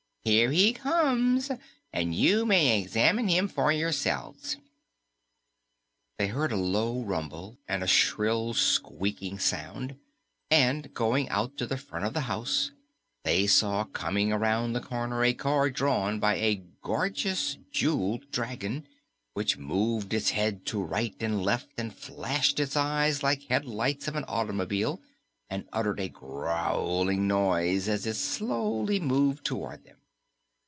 Here he comes, and you may examine him for yourselves." They heard a low rumble and a shrill squeaking sound, and going out to the front of the house, they saw coming around the corner a car drawn by a gorgeous jeweled dragon, which moved its head to right and left and flashed its eyes like headlights of an automobile and uttered a growling noise as it slowly moved toward them.